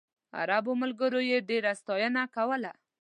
عربو ملګرو یې ډېره ستاینه کوله.